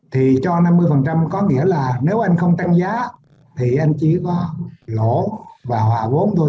thì cho năm mươi có nghĩa là nếu anh không tăng giá thì anh chỉ có lỗ và hòa vốn thôi